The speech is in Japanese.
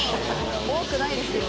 多くないですよ。